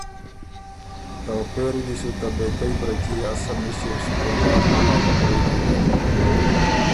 که پېری دی سو ته بېکئ بره کي ا سۀ مِݭر شکرداد ماما خبُرئ کوی